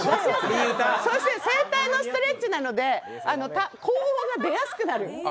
そして声帯のストレッチなので高音が出やすくなる。